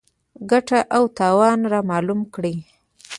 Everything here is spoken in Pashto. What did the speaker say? ګټه او تاوان رامعلوم کړي.